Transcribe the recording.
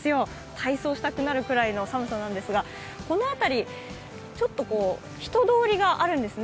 体操したくなるくらいの寒さなんですが、この辺り、ちょっと人通りがあるんですね。